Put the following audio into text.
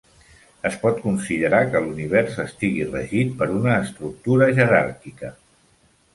Es pot considerar que l'univers estigui regit per una estructura jeràrquica.